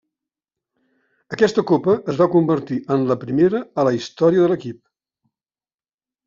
Aquesta Copa es va convertir en la primera a la història de l'equip.